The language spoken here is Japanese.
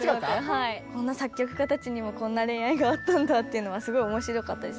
こんな作曲家たちにもこんな恋愛があったんだっていうのはすごい面白かったです。